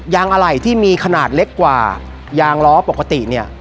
ยางอะไหล่ที่มีขนาดเล็กกว่ายางร้อปกติ